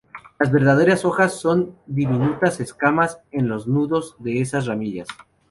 Las verdaderas hojas son diminutas escamas en los nudos de esas ramillas.